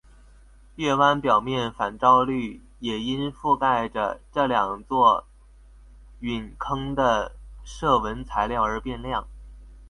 月湾表面反照率也因覆盖着这两座陨坑的射纹材料而变亮。